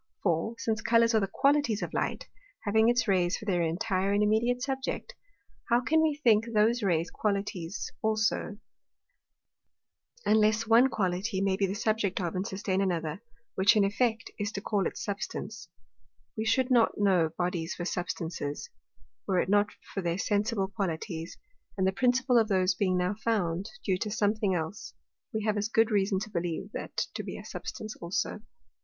For, since Colours are the Qualities of Light, having its Rays for their intire and immediate Subject, how can we think those Rays Qualities also, unless one Quality may be the Subject of and sustain another; which in effect is to call it Substance? We should not know Bodies for Substances, were it not for their sensible Qualities; and the principal of those being now found due to something else, we have as good reason to believe that to be a Substance also.